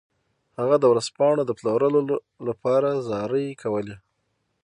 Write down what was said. هغه د ورځپاڼو د پلورلو لپاره زارۍ کولې.